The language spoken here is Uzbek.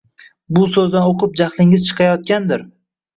Bu so`zlarni o`qib jahlingiz chiqayotgandir